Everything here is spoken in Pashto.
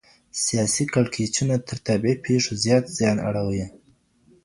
سياسي کړکېچونه تر طبيعي پېښو زيات زيان اړوي.